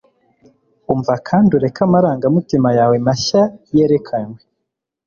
umva kandi ureke amarangamutima yawe mashya yerekanwe